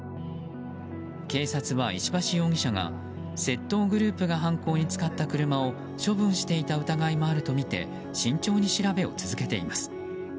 警察は、石橋容疑者が窃盗グループが犯行に使った車を処分していた疑いもあるとみて慎重に調べを続けています。